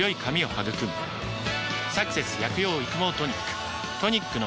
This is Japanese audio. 「サクセス薬用育毛トニック」